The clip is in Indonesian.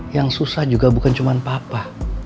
yang susah juga bukan cuma papa